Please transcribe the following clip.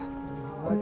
itu cepat ya pak